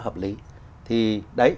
hợp lý thì đấy